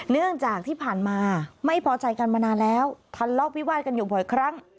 เนื่องจากที่ผ่านมาไม่พอใจกันมานานแล้วทันทะเลาะวิวาดกันอยู่บ่อยครั้ง